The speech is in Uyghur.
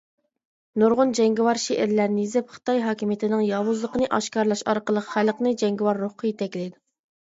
نۇرغۇن جەڭگىۋار شېئىرلارنى يېزىپ، خىتاي ھاكىمىيىتىنىڭ ياۋۇزلۇقىنى ئاشكارىلاش ئارقىلىق خەلقنى جەڭگىۋار روھقا يېتەكلەيدۇ.